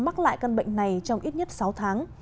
mắc lại căn bệnh này trong ít nhất sáu tháng